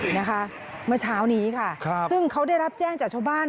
เมื่อเช้านี้ค่ะครับซึ่งเขาได้รับแจ้งจากชาวบ้าน